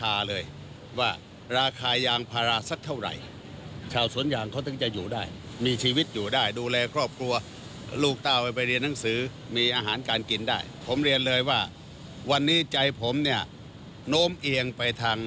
แก่รีบจากที่รัฐมนตรีได้เพียงไปทาง